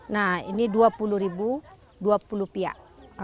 nah ini rp dua puluh dua puluh piak